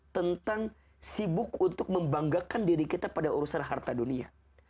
tentang sibuk untuk membanggakan diri kita pada urusan harta dunia